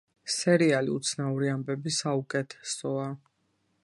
სერიალი უცნაური ამბები საუკეთსოა